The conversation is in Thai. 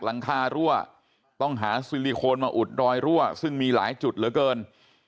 หลังคารั่วต้องหาซิลิโคนมาอุดรอยรั่วซึ่งมีหลายจุดเหลือเกิน